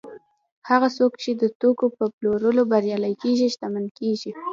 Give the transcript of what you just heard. هغه څوک چې د توکو په پلورلو بریالي کېږي شتمن کېږي